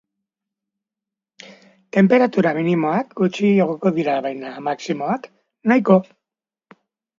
Tenperatura minimoak gutxi igoko dira, baina maximoak nahikoa.